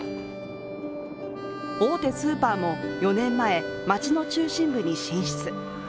大手スーパーも４年前、町の中心部に進出。